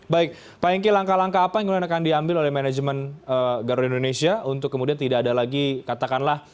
baik pak enki langkah ngangka rapa yang akan diambil oleh manajemen garuda indonesia untuk tidak ada lagi katakanlah